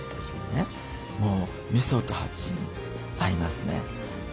もうみそとはちみつ合いますね。